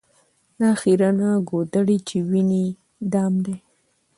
دا خیرنه ګودړۍ چي وینې دام دی